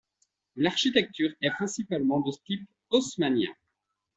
L'architecture est principalement de type haussmannien.